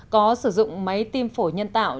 có sử dụng máy tim phổi nhân tạo